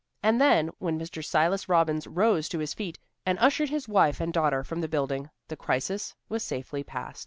And then when Mr. Silas Robbins rose to his feet and ushered his wife and daughter from the building, the crisis was safely past.